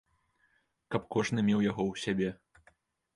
Каб кожны меў яго ў сябе.